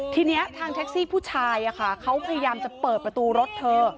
ทีนี้ทางแท็กซี่ผู้ชายเขาพยายามจะเปิดประตูรถเธอ